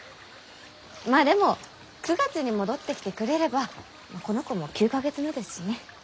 まあでも９月に戻ってきてくれればこの子も９か月目ですしね。